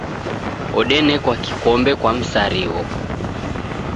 Odenekwa kikombe kwa msarigho